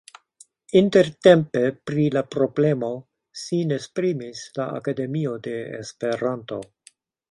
Intertempe pri la problemo sin esprimis la Akademio de Esperanto.